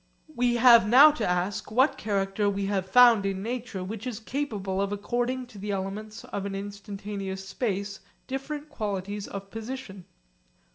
We have now to ask what character we have found in nature which is capable of according to the elements of an instantaneous space different qualities of position.